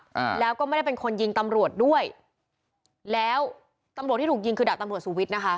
อ่าแล้วก็ไม่ได้เป็นคนยิงตำรวจด้วยแล้วตำรวจที่ถูกยิงคือดาบตำรวจสุวิทย์นะคะ